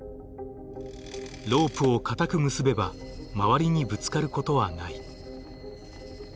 ロープを固く結べば周りにぶつかることはない。